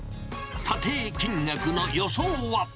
査定金額の予想は。